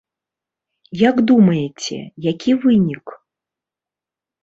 Як думаеце, які вынік?